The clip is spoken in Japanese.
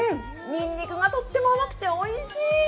にんにくがとっても甘くて、おいしい。